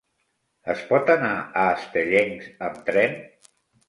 Es pot anar a Estellencs amb tren?